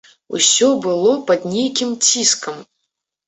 Усё было пад нейкім ціскам.